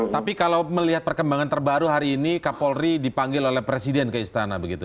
tapi kalau melihat perkembangan terbaru hari ini kapolri dipanggil oleh presiden ke istana begitu